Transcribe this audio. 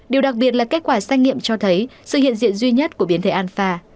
điều đặc biệt là kết quả xét nghiệm cho thấy sự hiện diện duy nhất của biến thể anfa